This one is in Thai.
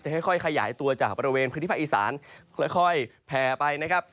ค่อยขยายตัวจากบริเวณพื้นที่ภาคอีสานค่อยแผ่ไปนะครับ